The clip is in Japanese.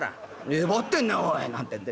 「えばってんねおい」なんてんで。